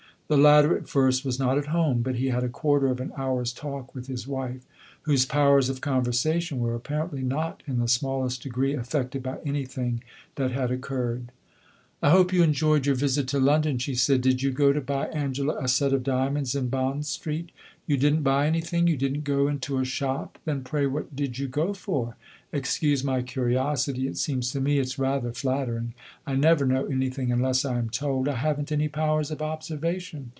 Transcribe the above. The latter, at first, was not at home; but he had a quarter of an hour's talk with his wife, whose powers of conversation were apparently not in the smallest degree affected by anything that had occurred. "I hope you enjoyed your visit to London," she said. "Did you go to buy Angela a set of diamonds in Bond Street? You did n't buy anything you did n't go into a shop? Then pray what did you go for? Excuse my curiosity it seems to me it 's rather flattering. I never know anything unless I am told. I have n't any powers of observation.